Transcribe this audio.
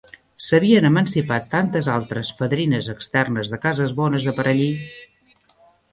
S'havien emancipat tantes altres fadrines externes de cases bones de per allí!